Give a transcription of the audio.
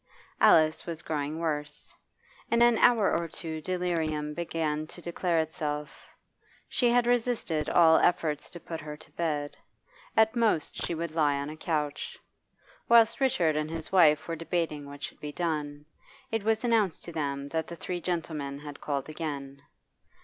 Alice was growing worse; in an hour or two delirium began to declare itself. She had resisted all efforts to put her to bed; at most she would lie on a couch. Whilst Richard and his wife were debating what should be done, it was announced to them that the three gentlemen had called again.